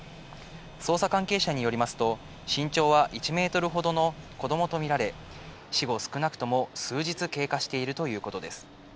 捜査関係者によりますと、身長は１メートルほどの子どもと見られ、死後少なくとも数日経過しているということです。